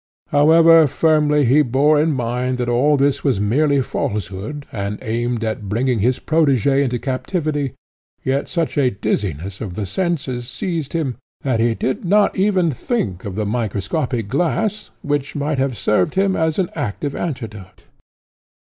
However firmly he bore in mind that all this was merely falsehood, and aimed at bringing his protegé into captivity, yet such a dizziness of the senses seized him, that he did not even think of the microscopic glass, which might have served him as an active antidote.